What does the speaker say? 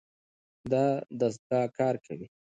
دا دستګاه کار کوي.